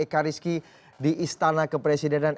edo ekaris yang terdengar di istana kepresidenan